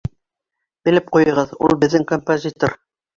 Белеп ҡуйығыҙ, ул -беҙҙең композитор!